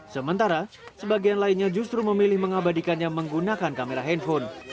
sementara sebagian lainnya justru memilih mengabadikannya menggunakan kamera handphone